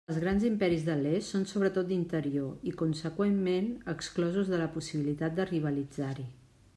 Els grans imperis de l'est són sobretot d'interior i conseqüentment exclosos de la possibilitat de rivalitzar-hi.